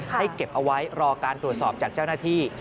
เก็บเอาไว้รอการตรวจสอบจากเจ้าหน้าที่